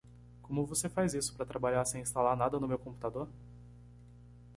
Como você faz isso para trabalhar sem instalar nada no meu computador?